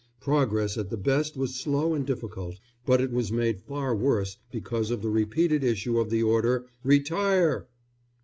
Progress at the best was slow and difficult, but it was made far worse because of the repeated issue of the order, "Retire!"